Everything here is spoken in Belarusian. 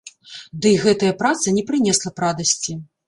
Дый гэтая праца не прынесла б радасці.